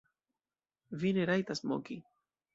Vi ne rajtas moki!